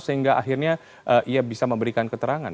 sehingga akhirnya ia bisa memberikan keterangan